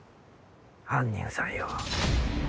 犯人さんよ。